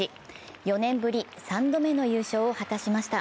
４年ぶり３度目の優勝を果たしました。